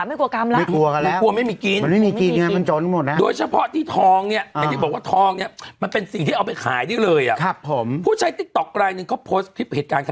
ไม่กลัวบาปไม่กลัวกรรมละ